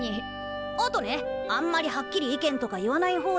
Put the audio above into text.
あとねあんまりはっきり意見とか言わない方だし。